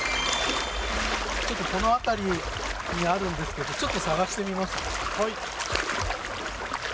ちょっとこの辺りにあるんですけど、ちょっと探してみます。